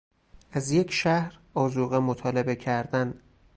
از یک شهر آذوقه مطالبه کردن